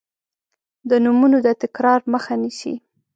د نومونو د تکرار مخه نیسي.